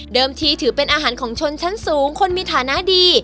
ที่ถือเป็นอาหารของชนชั้นสูงคนมีฐานะดี